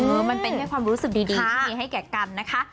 เออมันเป็นความรู้สึกดีให้แก่กันนะคะ